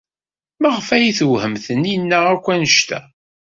Maɣef ay tewhem Taninna akk anect-a?